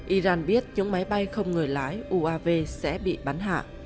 iran biết những máy bay không người lái uav sẽ bị bắn hạ